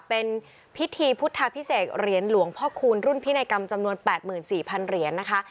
เป็นพิธีพุทธพิเศษเหรียญหลวงพ่อคูณรุ่นพินัยกรรมจำนวน๘๔๐๐เหรียญนะคะ